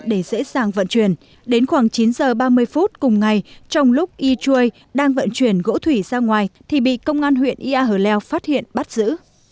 để dễ dàng vận chuyển đến khoảng chín giờ ba mươi phút cùng ngày trong lúc yichui đang vận chuyển gỗ thủy ra ngoài thì bị công an huyện ea hờ leo phát hiện bắt giữ